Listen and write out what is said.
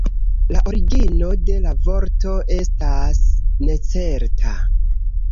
La origino de la vorto estas necerta.